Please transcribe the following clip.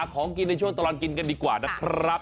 ของกินในช่วงตลอดกินกันดีกว่านะครับ